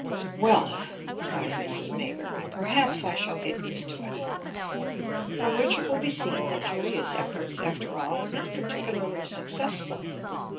"Well," sighed Mrs. Maybury, "perhaps I shall get used to it." From which it will be seen that Julia's efforts after all were not particularly successful.